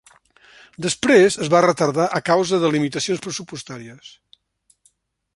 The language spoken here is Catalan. Després es va retardar a causa de limitacions pressupostàries.